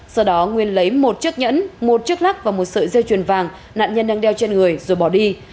sau đó nguyên lấy một chiếc nhẫn một chiếc lắc và một sợi dây chuyền vàng nạn nhân đang đeo trên người rồi bỏ đi